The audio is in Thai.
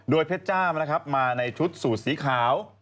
โดยเพชรจ้านะครับมาในชุดสูตรสีขาว